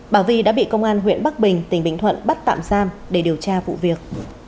bà vi đã bị công an huyện bắc bình tỉnh bình thuận bắt tạm giam để điều tra vụ việc